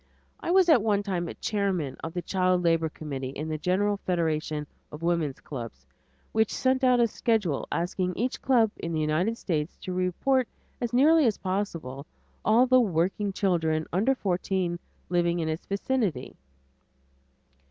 I was at one time chairman of the Child Labor Committee in the General Federation of Woman's Clubs, which sent out a schedule asking each club in the United States to report as nearly as possible all the working children under fourteen living in its vicinity.